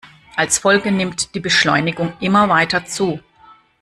Als Folge nimmt die Beschleunigung immer weiter zu.